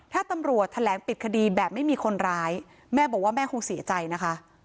ถ้าตำรวจแถลงปิดคดีแบบไม่มีคนร้ายแม่บอกว่าแม่คงเสียใจนะคะ